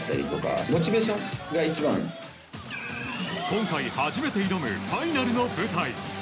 今回、初めて挑むファイナルの舞台。